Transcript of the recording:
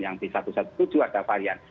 yang di satu ratus tujuh belas ada varian